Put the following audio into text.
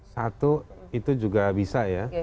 satu itu juga bisa ya